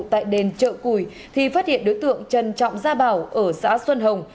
tại đền chợ cùi thì phát hiện đối tượng trần trọng gia bảo ở xã xuân hồng